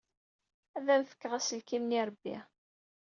Ad am-fkeɣ aselkim n yirebbi.